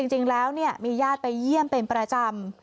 จริงแล้วมีญาติไปเยี่ยมเป็นประจำ